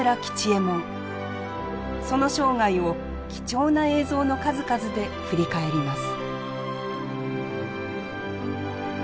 その生涯を貴重な映像の数々で振り返ります。